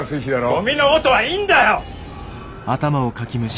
ゴミのことはいいんだよ！